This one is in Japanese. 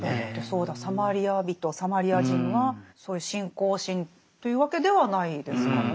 サマリア人サマリア人はそういう信仰心というわけではないですからね。